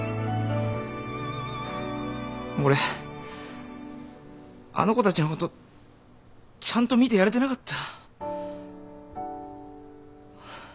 俺あの子たちのことちゃんと見てやれてなかった。